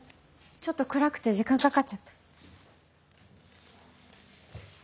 ちょっと暗くて時間かかっちゃった。